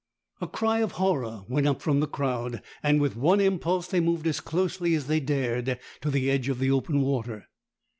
A cry of horror went up from the crowd, and with one impulse they moved as closely as they dared to the edge of the open water.